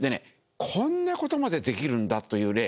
こんなことまでできるんだという例。